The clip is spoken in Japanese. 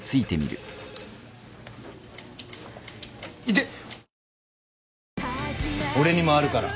痛っ。